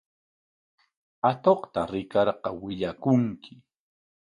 Atuqta rikarqa willakunki.